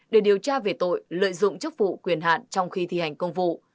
để điều tra về tội lợi dụng chức vụ quyền hạn trong khi thi hành công vụ